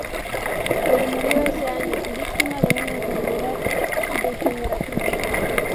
Pero murió ese año, víctima de una enfermedad degenerativa.